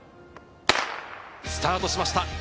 スタートしました！